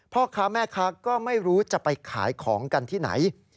พ่อค้าแม่ค้าก็ไม่รู้จะไปขายของกันที่ไหน